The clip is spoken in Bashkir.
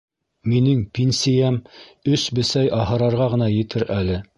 Минең пинсейәм өс бесәй аһырарға ғына етер әле.